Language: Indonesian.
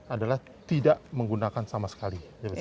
adalah tidak menggunakan sama sekali